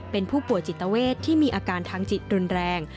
เป็นผู้ป่วยจิตเวทที่มีอาการทางจิตรุนแรง